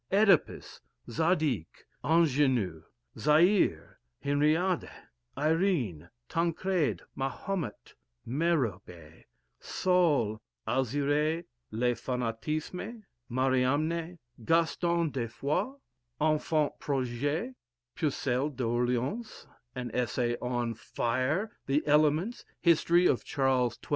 "Oedipus," "Zadig," "Ingénu," "Zaire," "Henri ade," "Irene," "Tancred," "Mahomet," "Merope," "Saul," "Alzire," "Le Fanatisme," "Mariamne," "Gaston de Foix," "Enfant Prodigue," "Pucelle d'Orléans," an essay on "Fire," the "Elements," "History of Charles XII.